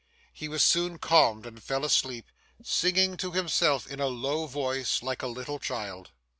He was soon calmed and fell asleep, singing to himself in a low voice, like a little child.